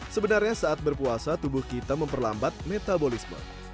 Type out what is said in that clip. sebenarnya saat berpuasa tubuh kita memperlambat metabolisme